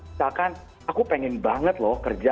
misalkan aku pengen banget loh kerja